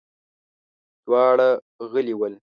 دواړه غلي ول.